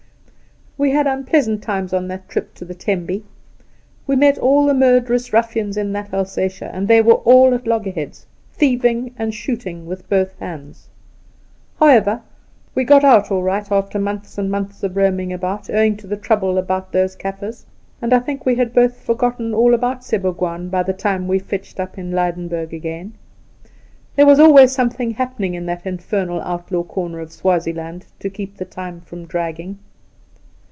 ' We had unpleasant times on that trip to the Tembe. We met all the murderous ruffians in that Alsatia, and they were all at loggerheads, thieving and shooting with both hands. However, we got out all right after months and months of roaming about, owing to the trouble about those Kaffirs, and L think we had both forgotten all about Sebougwaan by the time we fetched up in Lydenburg again. There was always something happening in that infernal outlaw corner of Swazie land to keep the time from dragging